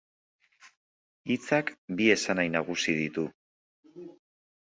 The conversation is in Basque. Hitzak bi esanahi nagusi ditu.